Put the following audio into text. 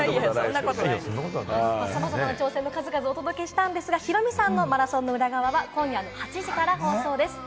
さまざまな挑戦の数々をお届けしたんですが、ヒロミさんのマラソンの裏側は、今夜８時から放送です。